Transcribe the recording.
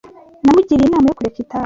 namugiriye inama yo kureka itabi